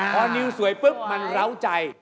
พอนิวสวยปุ๊บมันเล้าใจ